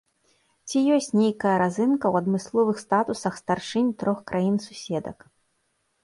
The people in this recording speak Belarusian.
Ці ёсць нейкая разынка ў адмысловых статусах старшынь трох краін-суседак.